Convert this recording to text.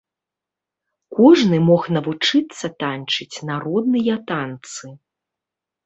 Кожны мог навучыцца танчыць народныя танцы.